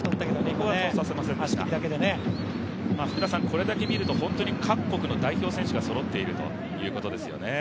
これだけ見ると各国の代表選手がそろっているということですよね。